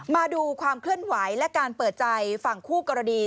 มาดูความเคลื่อนไหวและการเปิดใจฝั่งคู่กรณี